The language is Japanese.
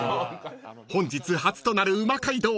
［本日初となる「うま街道！」